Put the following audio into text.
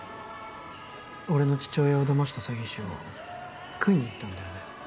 俺の父親を騙した詐欺師を喰いに行ったんだよね